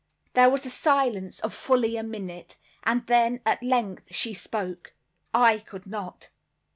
There was a silence of fully a minute, and then at length she spoke; I could not.